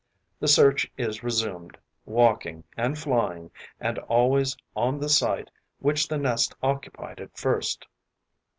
The search is resumed, walking and flying, and always on the site which the nest occupied at first.